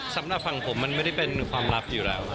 สำหรับฝั่งผมมันไม่ได้เป็นความลับอยู่แล้ว